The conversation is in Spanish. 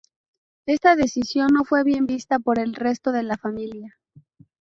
Esta decisión no fue bien vista por el resto de la familia.